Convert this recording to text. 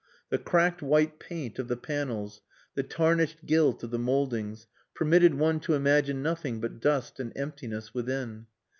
The cracked white paint of the panels, the tarnished gilt of the mouldings, permitted one to imagine nothing but dust and emptiness within.